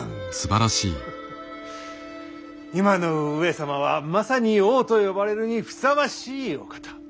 今の上様はまさに王と呼ばれるにふさわしいお方。